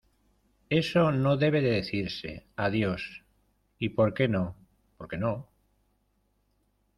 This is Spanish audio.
¡Eso no debe decirse! ¡Adiós! ¿Y por qué no? porque no.